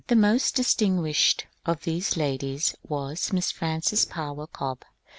The most distinguished of these ladies was Miss Frances Power Cobbe.